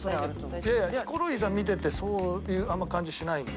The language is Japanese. いやいやヒコロヒーさん見ててそういう感じしないんですけど。